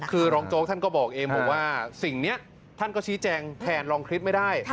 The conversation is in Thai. คือรองโจ๊กท่านก็บอกเองบอกว่าสิ่งนี้ท่านก็ชี้แจงแทนรองคริสต์ไม่ได้